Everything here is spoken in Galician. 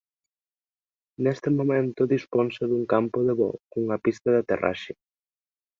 Nese momento disponse dun campo de voo cunha pista de aterraxe.